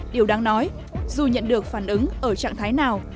điều đáng nói dù nhận được phản ứng ở trạng thái nào